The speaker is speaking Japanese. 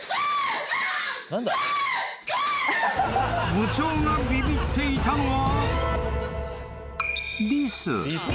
［部長がビビっていたのは］